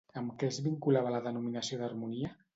Amb què es vinculava la denominació d'Harmonia?